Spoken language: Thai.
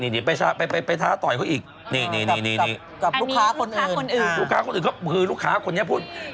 นี่ไปท้าต่อยเขาอีก